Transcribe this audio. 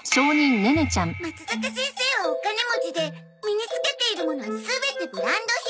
まつざか先生はお金持ちで身に着けているものは全てブランド品。